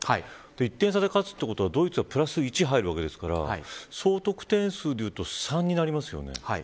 １点差で勝つということはドイツはプラス１入るわけですから総得点にすると３になりますよね。